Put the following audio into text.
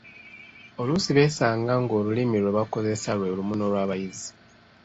Oluusi beesanga ng’Olulimi lwe bakozesa lwe lumu n’olwabayizi.